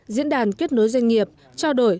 diễn đàn kết nối doanh nghiệp trao đổi